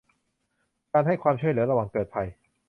การให้ความช่วยเหลือระหว่างเกิดภัย